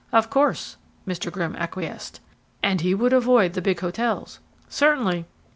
"Of course," Mr. Grimm acquiesced. "And he would avoid the big hotels." "Certainly."